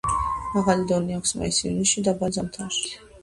მაღალი დონე აქვს მაის-ივნისში, დაბალი ზამთარში.